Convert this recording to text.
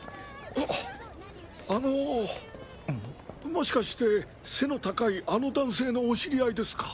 もしかして背の高いあの男性のお知り合いですか？